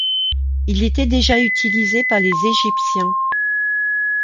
Il était déjà utilisé par les Égyptiens.